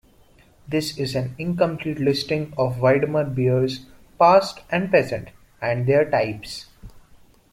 This is an incomplete listing of Widmer beers, past and present, and their types.